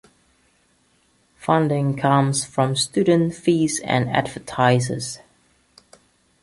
Funding comes from student fees and advertisers.